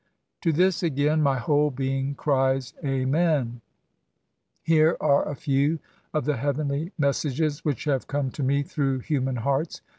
To this again, my whole being cries " amen !" Here are a few of the heavenly messages which have come to me through human hearts.